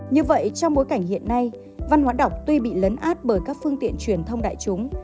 như vậy trong bối cảnh hiện nay văn hóa đọc tuy bị lấn át bởi các phương tiện truyền thông đại chúng